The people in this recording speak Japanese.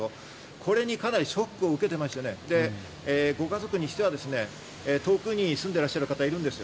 これに、かなりショックを受けていまして、ご家族にしては遠くに住んでいる方がいるわけですよ。